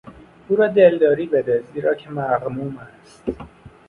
او را دلداری بده زیرا که مغموم است.